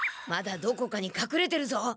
まだどこかにかくれてるぞ！